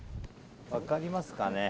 分かりますかね。